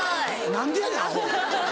何でやねんアホ。